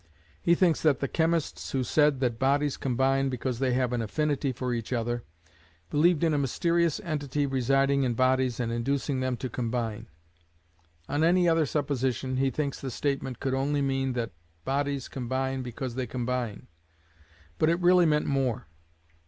He thinks that the chemists who said that bodies combine because they have an affinity for each other, believed in a mysterious entity residing in bodies and inducing them to combine. On any other supposition, he thinks the statement could only mean that bodies combine because they combine. But it really meant more.